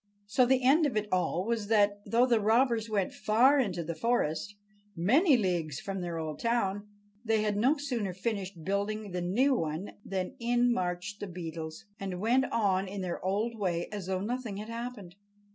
So the end of it all was that, though the robbers went far into the forest, many leagues from their old town, they had no sooner finished building the new one than in marched the Beetles, and went on in their old way as though nothing had happened.